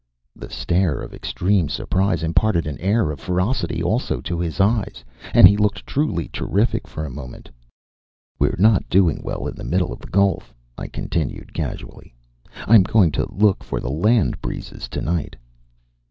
The stare of extreme surprise imparted an air of ferocity also to his eyes, and he looked truly terrific for a moment. "We're not doing well in the middle of the gulf," I continued, casually. "I am going to look for the land breezes tonight."